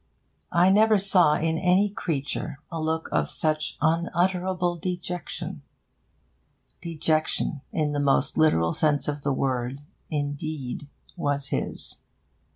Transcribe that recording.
I never saw in any creature a look of such unutterable dejection. Dejection, in the most literal sense of the word, indeed was his.